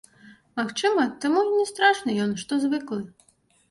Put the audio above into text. Магчыма, таму і не страшны ён, што звыклы.